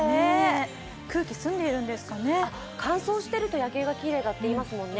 空気、澄んでいるんですかね。乾燥していると夜景がきれいっていいますよね。